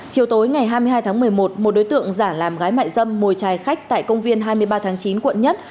chiều tối ngày hai mươi hai tháng một mươi một một đối tượng giả làm gái mại dâm mồi trài khách tại công viên hai mươi ba tháng chín quận một